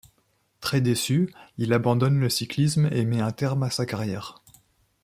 Très déçu, il abandonne le cyclisme et met un terme à sa carrière.